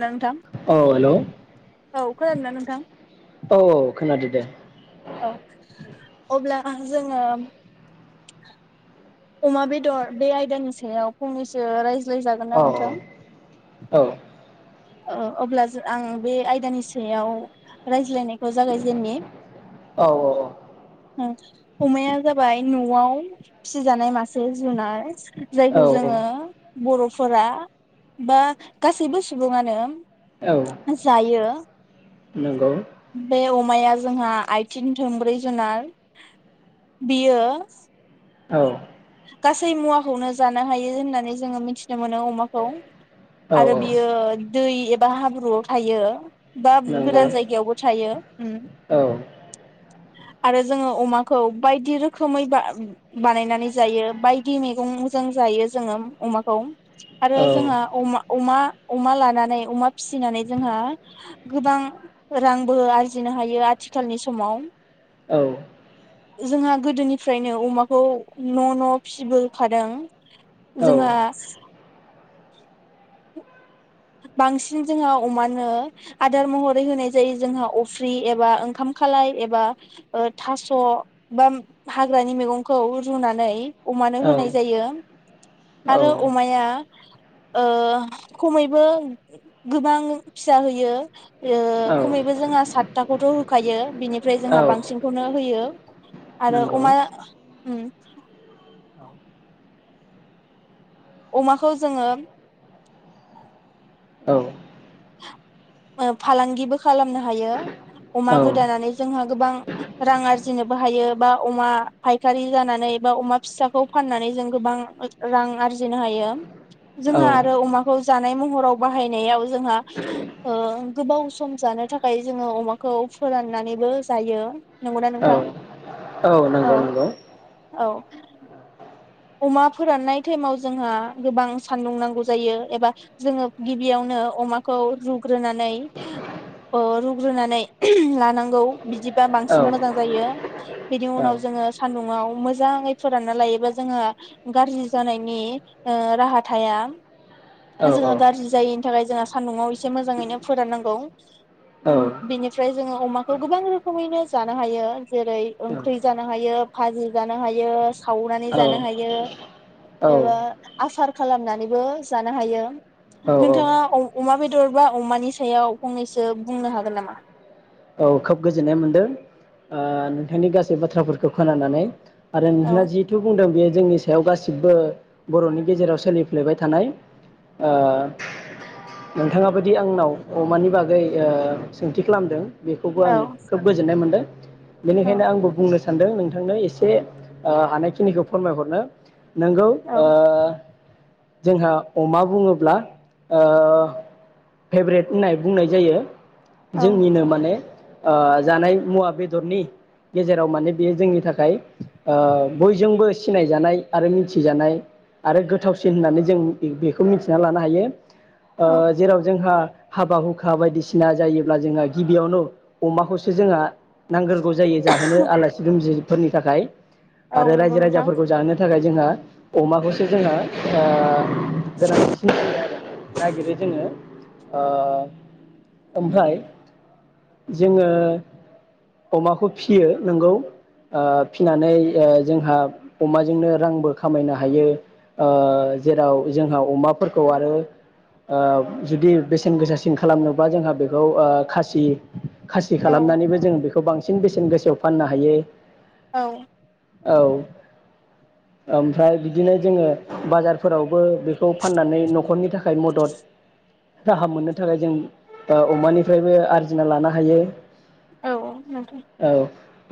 ना नोंथां औ हेलौ औ खोनादोंना नोंथां औ औ खोनादो दे। औ अब्ला जोङो अमा बेदर बे आयदानि सायाव फंनैसो राय ज्लाय जागोन औ ना नोंथां। औ ओ अब्ला जो आं बे आयदानि सायाव रायज्लायनायखौ जागायजेननि। औ औ औ उम अमाया जाबाय न'आव फिसिजानाय मासे जुनार। औ जायखौ जोङो। बर'फोरा बा गासैबो सुबुङानो औ यो नंगौ बे अमाया जोंहा आइथिं थोंब्रै जुनार बियो औ गासै मुवाखौनो जानो हायो होननानै जोङो मिथिनो मोनो अमाखौ औ आरो बियो दै एबा हाब्रुआव थायो। बाब नंगौ गोदान जायगायावबो थायो उम औ आरो जोङो अमाखौ बायदि रोखोमै बा बानायनानै जायो बायदि मैगंजों जायो जोङो अमाखौ औ आरो जोंहा अमा अमा अमा लानानै अमा फिसिनानै जोंहा गोबां रांबो आरजिनो हायो आथिखालनि समाव औ जोंहा गोदोनिफ्रायनो अमाखौ न' न' फिसिबोखादों औ जोंहा बांसिन जोंहा अमानो आदार महरै होनाय जायो जोंहा अफ्रि एबा ओंखाम खालाय एबा ओ थास' बा हाग्रानि मैगंखौ रुनानै औ अमानो होनाय जायो। आरो अमाया ओ खमै बो गोबां फिसा होयो ओ औ नंगौ औ खमैबो जोंहा सातथाखौथ' होखायो बिनिफ्राय जोंहा बांसिनखौनो होयो आरो नंगौ अमा नंगौ उम अमाखौ जोङो औ ओ फालांगिबो खालामनो हायो औ अमा गोदानानै जोंहा गोबां रां आरजिनोबो हायो बा अमा फायखारि जानानै बा अमा फिसाखौ फाननानै जों गोबां ओ रां आरजिनो हायो। औ जोंहा आरो अमाखौ जानाय महराव बाहायनायाव जोंहा ओ गोबाव सम जानो थाखाय जोङो अमाखौ फोराननानैबो जायो नंगौना औ नोंथां औ औ। अमा फोराननाय टाइमाव जोंहा गोबां सानदुं नांगौ जायो एबा जोङो गिबियावनो अमाखौ रुग्रोनानै ओ रुग्रोनानै उम लानांगौ बिदिबा बांसिन मोजां जायो बेनिउनाव औ जोङो सान्दुंङाव मोजाङै फोरानना लायोबा जोंहा गारजि जानायनि ओ राहा थाया जोंङो गारजि जायैनि थाखाय जोंहा सान्दुङाव एसे मोजाङैनो फोराननांगौ उम बेनिफ्राय जोङो अमाखौ गोबां रोखोमैनो जानो हायो जेरै ओंख्रि जानो हायो भाजि जानो हायो सावनानै जानो हायो एबा आसार खालामनानैबो जानो हायो। औ औ नोंथाङा अमा बेदर बा अमानि सायाव फंनैसो बुंनो हागोन नामा? औ खोब गोजोननाय मोनदों ओ नोंथांनि गासै बाथ्राफोरखौ खोनानानै आरो औ नोंथाङा जिहेथु बुंदों बे जोंनि सायाव गासिबो बर'नि गेजेराव सोलिफ्लेबाय थानाय ओ नोंथाङाबोदि आंनाव अमानि बागै ओ सोंथि खालामदों। बेखौबो आं औ खोब गोजोननाय मोनदों। औ बेनिखायनो आंबो बुंनो सानदों नोंथांनो एसे ओ हानायखिनिखौ फोरमायहरनो नोंगौ औ ओ जोंहा अमा बुङोब्ला ओ फेभ्रेट होननाय बुंनाय जायो। औ जोंनिनो माने ओ जानाय मुवा बेदरनि गेजेराव माने बेयो जोंनि थाखाय ओ बयजोंबो सिनायजानाय आरो मिथिजानाय आरो गोथावसिन होननानै जों बे बेखौ मिथिना लानो हायो। ओ औ जेराव जोंहा हाबा हुखा बायदिसिना जायोब्ला जोंहा गिबियावनो अमाखौसो जोंहा नांग्रोगौ जायो जाहोनो आलासि दुमजि [unintelligible] फोरनि थाखाय औ आरो नंगौ रायजो नोंथां राजाफोरखौ जाहोनो थाखाय जोंहा अमाखौसो जोंहा ओ गोनांथिसिन [unintelligible] नागिरो जोङो ओ ओमफ्राय जोङो अमाखौ फियो नोंगौ फिनानै ओ जोंहा रांबो खामायनो हायो ओ जेराव जोंहा अमाफोरखौ आरो ओ जुदि बेसेन गोसासिन खालामनोबा जोंहा बेखौ खासि खासि औ खालामनानैबो जों बेखौ बांसिन बांसिन बेसेन गोसायाव फाननो हायो । औ । औ ओमफ्राय बिदिनो जोङो बाजारफोराव बो बेखौ फाननानै नखरनि थाखाय मदद राहा मोननो थाखाय जों ओ अमानिफ्रायबो आरजि आरजिना लानो हायो । औ औ नोंथां ।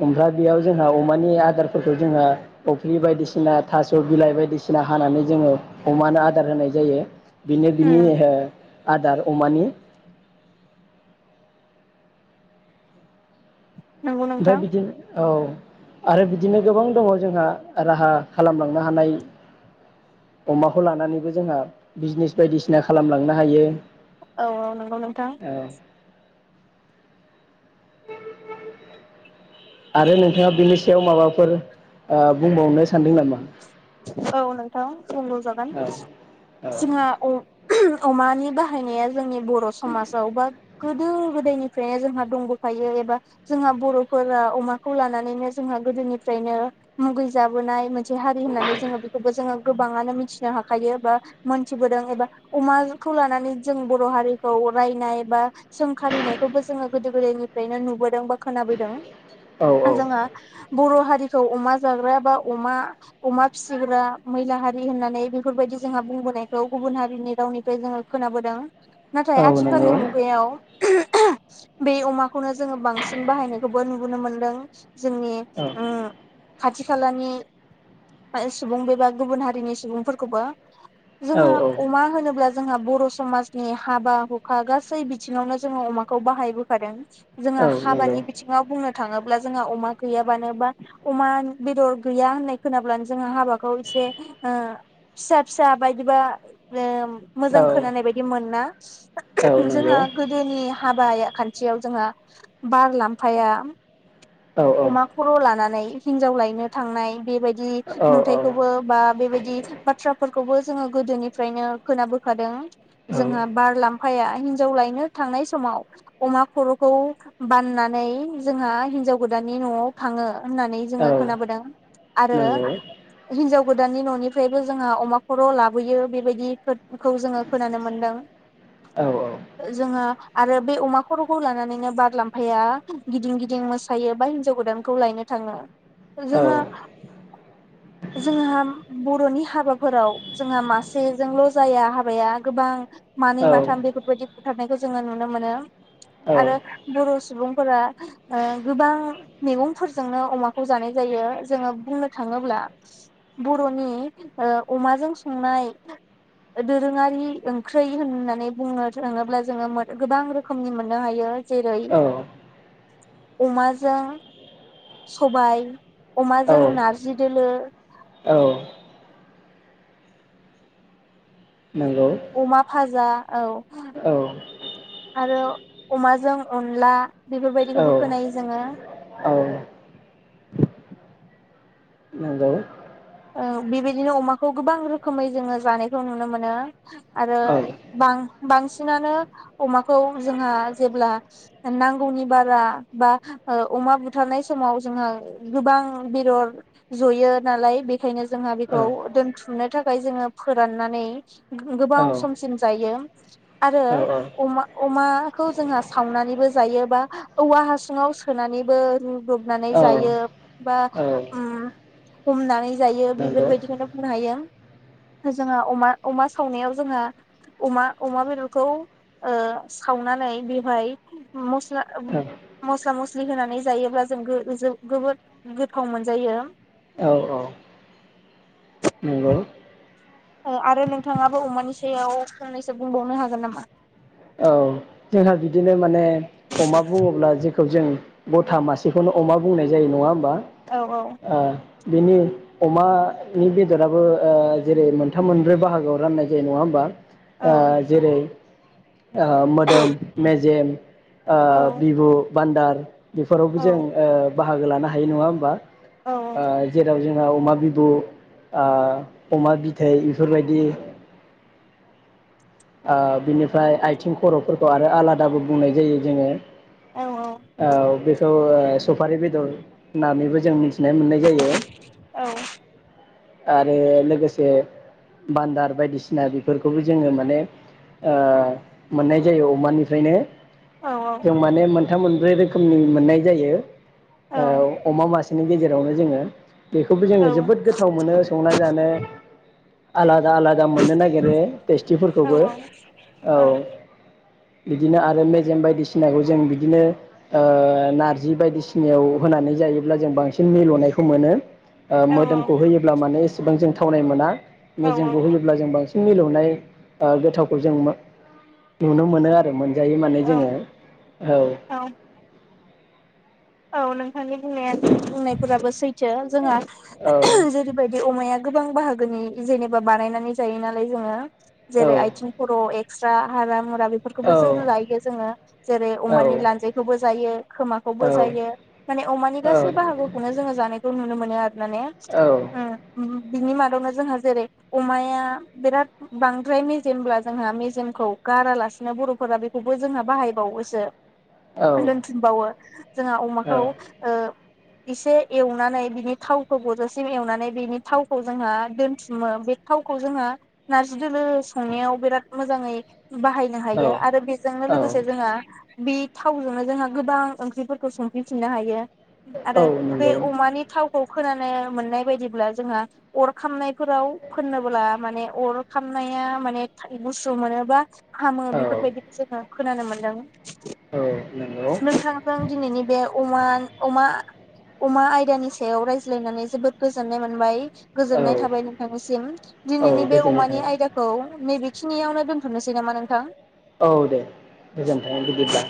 ओमफ्राय बेयाव जोंहा अमानि आदारफोरखौ जोंहा अफ्रि बायदिसिना थास बिलाइ बायदिसिना हानानै जोङो अमानो आदार होनाय जायो । बेनो बिनि आदार । अमानि नंगौ ओमफ्राय नोंथां बिदिनो औ आरो बिदिनो गोबां दङ जोंहा राहा खालामलांनो हानाय अमाखौ लानानैबो जोंहा बिजनेस बायदिसिना खालामलांनो हायो । औ औ नंगौ नोंथां । [unintelligible] आरो नोंथाङा बिनि सायाव माबाफोर ओ बुंबावनो सानदों नामा? औ नोंथां । बुंबाव जागोन औ औ जोंहा अ [unintelligible] अमानि बाहायनाया जोंनि बर समाजाव बा गोदो गोदायनिफ्रायनो जोंहा दंबोफायो एबा जोंहा बरफोरा अमाखौ लानानैनो जोंहा गोदोनिफ्रायनो मुगै जाबोनाय से हारि होननानै [unintelligible] खौबो जोङो गोबाङानो मिथिनो हाखायो बा मोनथिबोदों एबा अमाखौ लानानै जों बर हारिखौ रायनाय बा सोंखारिनायखौबो जोङो गोदो गोदायनिफ्रायनो नुबोदों बा खोनाबोदों । औ जोङो बर' हारिखौ अमा जाग्रा बा अमा अमा फिसिग्रा मैला हारि होननानै बेफोरबायदि जोंहा बुंबोनायखौ गुबुन हारिनि रावनिफ्राय जोङो खोनाबोदों । नाथाय औ नंगौ आथिखालनि मुगायाव [unintelligible] बे अमाखौनो जोङो बांसिन बाहायनायखौबो नुबोनो मोनदों जोंनि औ ओ खाथि खालानि सुबुं बेबा गुबुन हारिनि सुबुंफोरखौबो औ जोङो औ अमा होनोब्ला जोंहा बर' समाजनि हाबा हुखा गासै बिथिङावनो जोङो अमाखौ बाहायबोखादों औ जोंहा नंगौ हाबानि बिथिङाव बुंनो थाङोब्ला जोंहा अमा गैयाबानो बा अमा बेदर गैया होननाय खोनाब्लानो जो हाबाखौ एसे फिसा फिसा बायदिबा ओ औ मोजां खोनानाय बायदि मोना नंगौ औ जोंहा गोदोनि हाबाया खान्थियाव जोंहा बारलाम्फाया अमा खर' लानानै हिनजाव लायनो थांनाय बेबायदि औ नुथायखौबो बा बेबायदि बाथ्राफोरखौबो जोङो गोदोनिफ्रायनो खोनाबोखादों जोंहा बारलाम्फाया हिनजाव लायनो थांनाय समाव अमा खर'खौ बाननानै जोंहा हिनजाव गोदाननि न'आव थाङो होननानै औ जोङो खोनाबोदों आरो नंगौ हिनजाव गोदाननि न'निफ्रायबो जोंहा अमा खर' लाबोयो बेबायदिखौ जोङो खोनानो मोनदों औ औ जोंहा आरो बे अमा खर'खौ लानानैनो बारलामफाया गिदिं गिदिं मो फायो बा हिनजाव गोदानखौ लायनो थाङो औ जोङो औ जोंहा बर'नि हाबाफोराव जोंहा मासेजोंल' जाया हाबाया गोबां मानै माथाम बेफोरबायदि बुथारनायखौ जोङो नुनो मोनो आरो बर' सुबुंफोरा ओ गोबां मैगंफोरजोंनो अमाखौ जानाय जायो जोङो बुंनो थाङोब्ला बर'नि अमाजों संनाय दोरोङारि ओंख्रै होननानै बुंनो थाङोब्ला जोङो गोबां रोखोमनि मोननो हायो जेरै अमाजों सबाय, अमाजों नारजि, दोलो नंगौ अमा फाजा औ आरो अमाजों अनला बेफोरबायदिखौबो खोनायो जोङो। औ नंगौ बेबायदिनो अमाखौ गोबां रोखोमै जोङो जानायखौ नुनो मोनो आरो औ औ बां-बांसिनानो अमाखौ जोंहा जेब्ला नांगौनि बारा बा ओ अमा बुथारनाय समाव जोंहा गोबां बेदर जयो नालाय बे बेखायनो जोंहा बेखौ दोनथुमनो थाखाय जोङो फोराननानै गोबाव औ समसिम जायो आरोमा अमाखौ जोंहा सावनानैबो जायो बा औवा हासुङाव सोनानैबो ब्रबनानै औ जायो। बा औ उम हमनानै जायो नंगौ बेफोरबादिखौनो बुंनो हायो जोङो अमा अमा सावनायाव जोंहा अमा अमा बेदरखौ ओ सावनानै बेहाय मस औ मस्ला मस्लि होनानै जायोब्ला जों गो जों जोबोद गोथाव मोनजायो। औ औ नंगौ आरो नोंथाङाबो अमानि सायाव फंनैसो बुंबावनो हागोन नामा? औ जोंहा बिदिनो माने अमा बुङोब्ला जेखौ जों गथा मासेखौनो अमा बुंनाय जायो नङा होमबा? औ औ ओ बिनि अमानि बेदराबो जेरै मोनथाम मोनब्रै बाहागोआव राननाय जायो नङा होमबा? औ जेरै ओ मो मेजेम आ औ बिबु बान्दार बेफोरावबो औ जों ओ बाहागो लानो हायो नङा होमबा? औ ओ जेराव जों आ अमा बिबु आ अमा बिथै बेफोरबायदि बिनिफ्राय आइथिं खर'फोरखौ आरो आलादाबो बुंनाय जायो जोङो। औ बे खौ सफारि बेदर होननानैबो जों मिथि मिथिना मोननाय जायो। औ आरो लोगोसे बान्दार बायदिसिना बेफोरखौबो जोङो माने ओ मोननाय जायो अमानिफ्रायनो औ जों माने मोन थाम मोनब्रै रोखोमनि मोननाय जायो। औ अमा मासि बिनि गेजेरावनो जोंङो बेखौबो औ जोंङो जोबोद गोथ थाव मोनो संना जानो। आला दा आलादा मोननो नागेरो औ टेस्टिफोरखौबो। औ। बिदिनो आरो मेजेम बायदिसिनाखौ जों बिदिनो ओ नार्जि बायदिसिनायाव होनानै जायोब्ला जों बांसिन मिल'नायखौ मोनो। ओ औ मोदोम होयोब्ला माने एसेबां जों थावनाय मोना। मेजेमखौ होनोब्ला जों बांसिन मिलौनाय ओ गोथावखौ जों मो नुनो मोनो आरो मोन जायो माने जोङो। औ। औ नोंथांनि बुंनाया बुंनायफोराबो सैथो जोंहा औ जेरैबायदि अमाया गोबां बाहागोनि जेनोबा बानायनानै जायो नालाय जोंङो। औ जेरै आइथिं खर' एक स्रा हारा हु दा औ बेफोरखोबोसो जायो जोंङो जेरै औ अमानि लानजायखौबो जायो औ खोमाखौबो जायो माने अमानि गासै बाहागोखौनो जोङो जानायखौ नुनो मो नो आर माने उम उम बिनि मादावनो जोंहा जेरै अमाया बिराद बांद्राय मेजेमब्ला जोंहा मेजेमखौ गारालासिनो बर'फोरा बेखौबो जोंहा बाहायबावोसो औ दोन्थुमबावो। दा अमाखौ ओ इसे एवनानै बिनि थावखौ गजासिम एवनानै बिनि थावखौ जोंहा दोनथुमो बे थावखौ जोंहा नार्जि दोलो संनायाव बिराद मोजाङै बाहायनो औ हायो आरो बेजोंनो लोगोसे जोङो बे थावजोंनो जोंहा गोबां ओंख्रिफोर खौ संफिन फिननो हायो औ आरो बे नंगौ अमानि थाव खौ खोनानो मोननाय बायदिब्ला जोंहा अर खामनाय फोराव फोन्नोबोला माने अर खानाया माने थाय गुस्सु मोनोबा हामो औ बेफोरबायदिखौ जोङो खोनानो मोन्दों औ नोंगौ दिनैनि बे अमा अमा अमा आयदानि सायाव रायज्लायनानै जोबोद गोजोननाय मोनबाय औ गोजोननाय थाबाय नोंथांनिसिम औ दिनैनि बे गोजोननाय अमानि थाबाय आयदाखौ नैबे खिनियावनो दोनथ'नोसै नामा नोंथां? औ दे गोजोन्थों बिदिब्ला